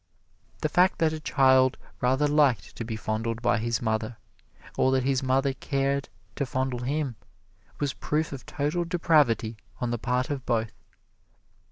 The fact that a child rather liked to be fondled by his mother, or that his mother cared to fondle him, was proof of total depravity on the part of both.